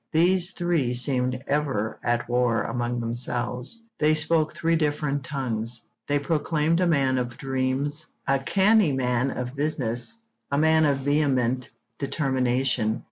These three seemed ever at war among themselves; they spoke three different tongues; they proclaimed a man of dreams, a canny man of business, a man of vehement determination.